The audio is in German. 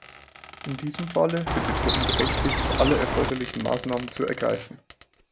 In diesem Falle sind die Truppen berechtigt, alle erforderlichen Maßnahmen zu ergreifen.